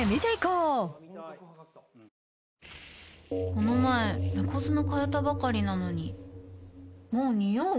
この前猫砂替えたばかりなのにもうニオう？